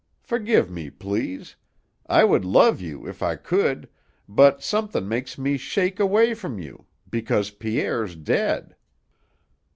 Fergive me, please; I would love you if I could, but somethin' makes me shake away from you because Pierre's dead."